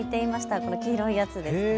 この黄色いやつですね。